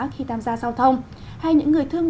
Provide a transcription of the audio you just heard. khi tham gia giao thông hay những người thương